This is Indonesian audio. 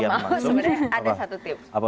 rasanya akan lebih besar dari yang dikeluarkan